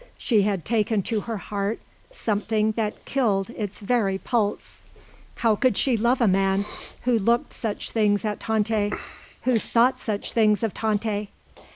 She had taken to her heart something that killed its very pulse. How could she love a man who looked such things at Tante who thought such things of Tante?